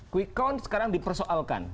quick count sekarang dipersoalkan